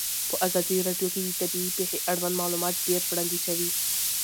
په ازادي راډیو کې د طبیعي پېښې اړوند معلومات ډېر وړاندې شوي.